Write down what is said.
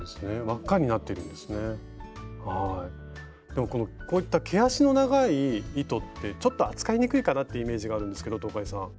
でもこういった毛足の長い糸ってちょっと扱いにくいかなってイメージがあるんですけど東海さん。